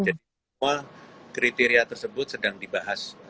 jadi semua kriteria tersebut sedang dibahas